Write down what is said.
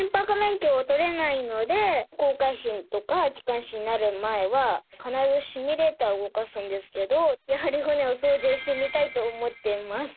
航海士とか機関士になる前は必ずシミュレーターを動かすんですけどやはり船を操縦してみたいと思っています。